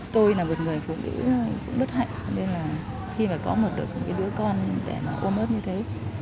tôi là một người phụ nữ bất hạnh nên là khi mà có một đứa con để mà ôm ớt như thế